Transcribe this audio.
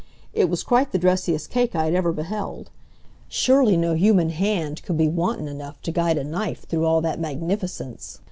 It was quite the dressiest cake I had ever beheld. Surely no human hand could be wanton enough to guide a knife through all that magnificence.